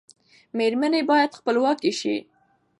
میرمنې باید خپلواکې شي.